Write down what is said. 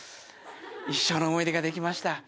一生の思い出が出来ました。